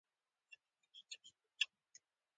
ښایست سمبال او برابر وي.